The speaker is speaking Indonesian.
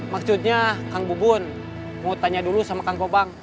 maksudnya kang bubun mau tanya dulu sama kang kobang